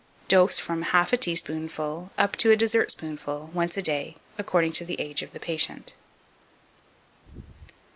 Dose, from half a teaspoonful up to a dessertspoonful, once a day, according to the ago of the patient.